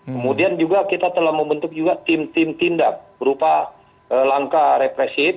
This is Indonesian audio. kemudian juga kita telah membentuk juga tim tim tindak berupa langkah represif